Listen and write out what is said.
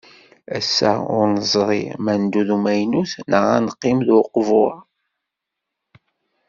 Ass-a ur neẓri ma ad neddu d umaynut neɣ ad neqqim d uqbur.